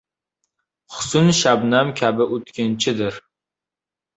Husn — shabnam kabi o‘tkinchidir.